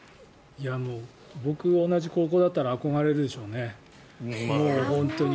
もう僕、同じ高校だったら憧れるでしょうね。